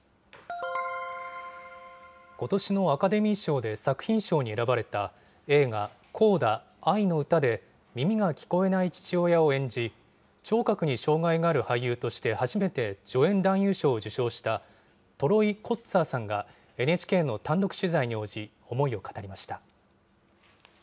ことしのアカデミー賞で作品賞に選ばれた映画、コーダあいのうたで耳が聞こえない父親を演じ、聴覚に障害がある俳優として初めて助演男優賞を受賞したトロイ・コッツァーさんが、ＮＨＫの単独取材に応じ、思いを語りました。